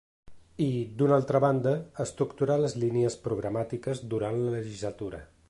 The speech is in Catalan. I, d’una altra banda, estructurar les línies programàtiques durant la legislatura.